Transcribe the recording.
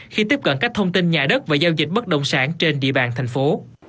khi tiếp cận các thông tin nhà đất và giao dịch bất động sản trên địa bàn thành phố